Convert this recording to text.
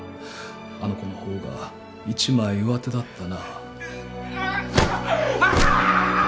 あの子の方が一枚上手だったな。